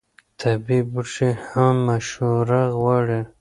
طبیعي بوټي هم مشوره غواړي.